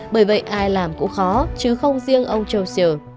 bởi vậy ai làm cũng khó chứ không riêng ông chowil